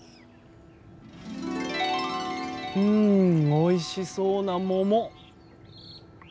うんおいしそうな桃。